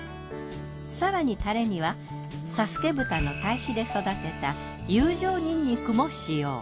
更にタレには佐助豚のたい肥で育てた友情にんにくも使用。